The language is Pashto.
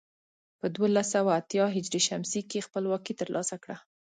په دولس سوه اتيا ه ش کې خپلواکي تر لاسه کړه.